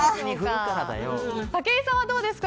武井さんはどうですか。